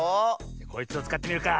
こいつをつかってみるか。